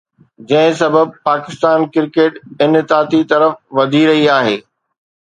جنهن سبب پاڪستان ڪرڪيٽ انحطاطي طرف وڌي رهي آهي